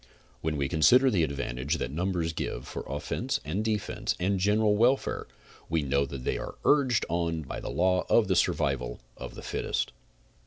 When we consider the advantages that numbers give for offense and de fense and general welfare, we know that they are urged on by the law of the survival of the fitest.